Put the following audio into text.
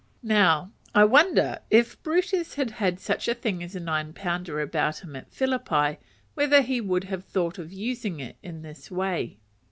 Now I wonder if Brutus had had such a thing as a nine pounder about him at Philippi, whether he would have thought of using it in this way.